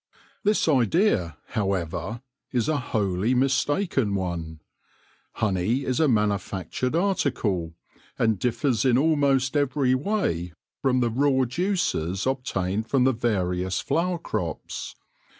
This idea, however, is a wholly mistaken one. Honey is a manufactured article, and differs in almost every way from the raw juices obtained from the various flower crops.